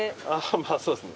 まぁそうですね。